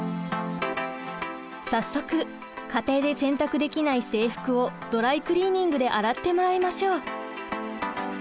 早速家庭で洗濯できない制服をドライクリーニングで洗ってもらいましょう。